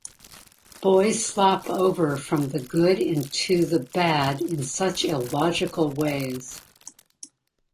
Boys slop over from the good into the bad in such illogical ways.